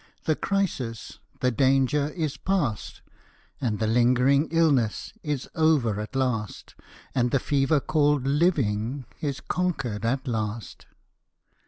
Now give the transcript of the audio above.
the crisis The danger is past, And the lingering illness Is over at last And the fever called "Living" Is conquered at last.